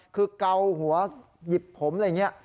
คือเกาหัวหยิบผมอะไรอย่างนี้